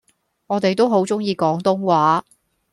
我哋都好鍾意廣東話